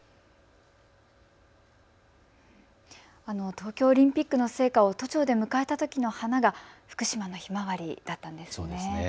あの東京オリンピックの聖火を都庁で迎えたときの花が福島がひまわりだったんですね。